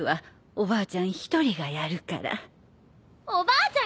おばあちゃん！